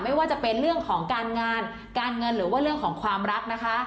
ไม่ว่าจะเป็นเรื่องของการงานการเงินหรือว่าเรื่องของความรักนะคะ